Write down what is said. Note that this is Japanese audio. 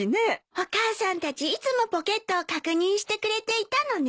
お母さんたちいつもポケットを確認してくれていたのね。